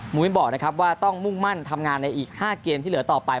บอกนะครับว่าต้องมุ่งมั่นทำงานในอีก๕เกมที่เหลือต่อไป